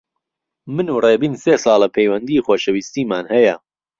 من و ڕێبین سێ ساڵە پەیوەندیی خۆشەویستیمان هەیە.